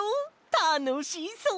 たのしそう！